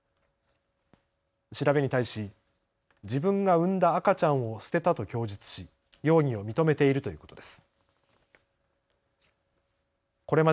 調べに対し自分が産んだ赤ちゃんを捨てたと供述し容疑を認めているということです。